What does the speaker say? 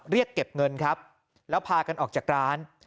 เรียกเก็บเงินครับแล้วพากันออกจากร้าน